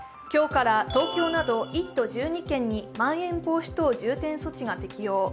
今日から東京など１都１２県にまん延防止等重点措置が適用。